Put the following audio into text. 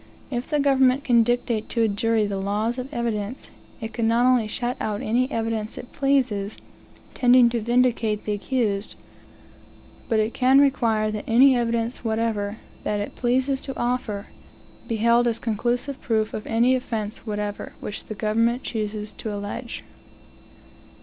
If the government can dictate to a jury the laws of evidence, it can not only shut out any evidence it pleases, tending to vindicate the accused, but it can require that any evidence whatever, that it pleases to offer, be held as conclusive proof of any offence whatever which the government chooses to allege.